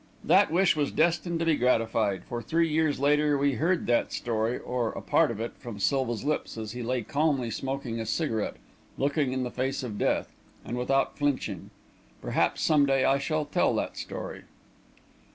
That wish was destined to be gratified, for, three years later, we heard that story, or a part of it, from Silva's lips, as he lay calmly smoking a cigarette, looking in the face of death, and without flinching. Perhaps, some day, I shall tell that story.